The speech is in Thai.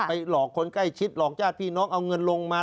หลอกคนใกล้ชิดหลอกญาติพี่น้องเอาเงินลงมา